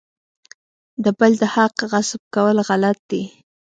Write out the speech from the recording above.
د بل د حق غصب کول غلط دي.